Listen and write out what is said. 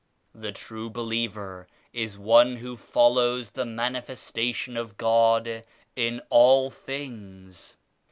The true believer is the one who follows the Manifestation of God in all things.